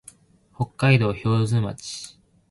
北海道標津町